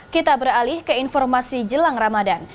kita beralih ke informasi jelang ramadan